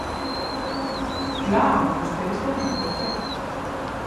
¡Claro, vostedes téñeno perfecto!